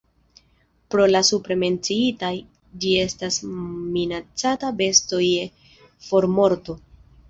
Pro la supre menciitaj, ĝi estas minacata besto je formorto.